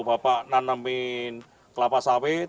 bapak nanamin kelompok sawit